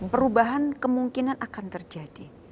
perubahan kemungkinan akan terjadi